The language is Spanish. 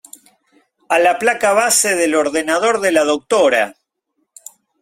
a la placa base del ordenador de la doctora .